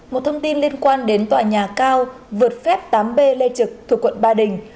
một thông tin liên quan đến tòa nhà cao vượt phép tám b lê trực thuộc quận ba đình